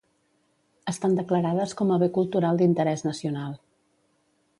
Estan declarades com a bé cultural d'interès nacional.